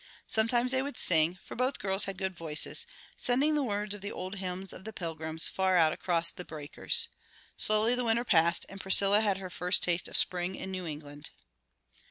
Sometimes they would sing, for both girls had good voices, sending the words of the old hymns of the Pilgrims far out across the breakers. Slowly the winter passed and Priscilla had her first taste of spring in New England.